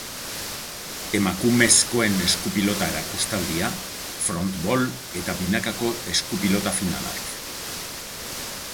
Emakumezkoen eskupilota erakustaldia, frontball eta binakako eskupilota finalak.